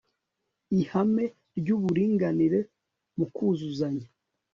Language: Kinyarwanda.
ihame ry uburinganire muku zuzanya